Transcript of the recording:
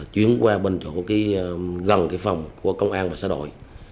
chuyển qua gần phòng của công an và xã đội